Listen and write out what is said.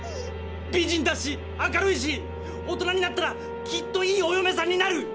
美人だし明るいし大人になったらきっといいおよめさんになる！